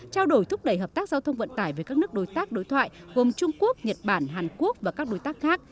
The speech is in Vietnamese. trao đổi thúc đẩy hợp tác giao thông vận tải với các nước đối tác đối thoại gồm trung quốc nhật bản hàn quốc và các đối tác khác